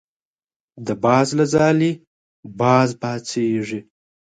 د باز له ځالې باز پاڅېږي.